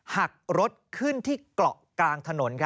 หักรถขึ้นที่เกาะกลางถนน